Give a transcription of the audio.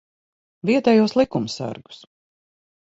Vietējos likumsargus.